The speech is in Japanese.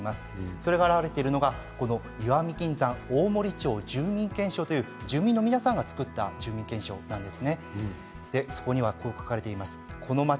それが表れているのが石見銀山の大森町住民憲章住民の皆さんが作ったものです。